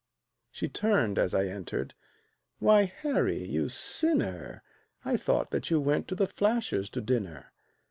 She turned as I entered "Why, Harry, you sinner, I thought that you went to the Flashers' to dinner!"